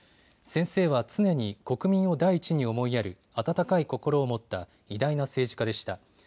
先生は常に国民を第一に思いやる温かい心を持った偉大な政治家でした。